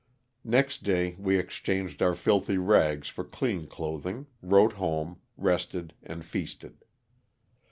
Next day we exchanged our filthy rags for clean clothing, wrote home, rested and feasted.